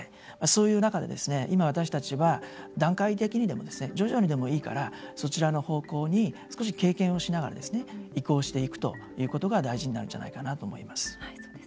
そういう中で今、私たちは段階的にでも徐々にでもいいからそちらの方向に少し経験をしながら移行していくということが大事になるんじゃないかなと思います。